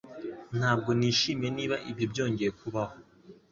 Ntabwo nishimiye niba ibyo byongeye kubaho.